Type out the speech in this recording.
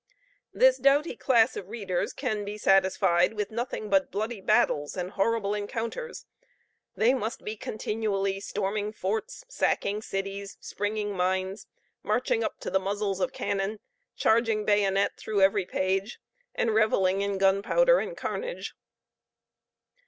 This doughty class of readers can be satisfied with nothing but bloody battles, and horrible encounters; they must be continually storming forts, sacking cities, springing mines, marching up to the muzzles of cannon, charging bayonet through every page, and revelling in gunpowder and carnage.